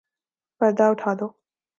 پردہ اٹھادو